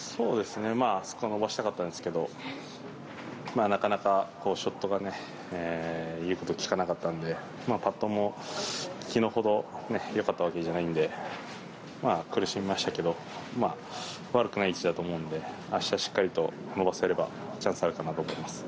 伸ばしたかったんですけどなかなかショットが言うことを聞かなかったのでパットも、昨日ほどよかったわけじゃないので苦しみましたけど悪くない位置だと思うので明日、しっかりと伸ばせればチャンスがあるかなと思います。